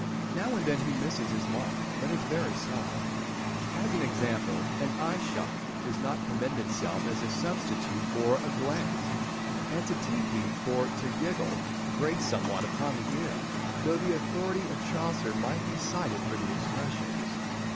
Now and then he misses his mark, but it is very seldom. As an example, an "eye shot" does not commend itself as a substitute for "a glance," and "to tee hee" for "to giggle" grates somewhat upon the ear, though the authority of Chaucer might be cited for the expressions.